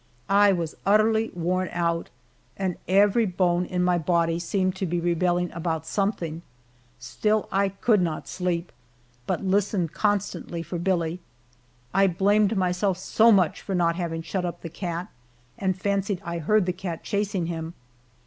I was utterly worn out, and every bone in my body seemed to be rebelling about something, still I could not sleep, but listened constantly for Billie. I blamed myself so much for not having shut up the cat and fancied I heard the cat chasing him.